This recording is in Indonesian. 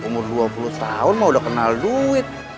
mau udah kenal duit